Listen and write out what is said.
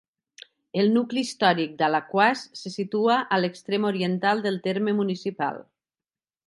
El nucli històric d'Alaquàs se situa a l'extrem oriental del terme municipal.